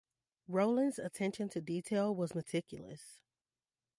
Rowland's attention to detail was meticulous.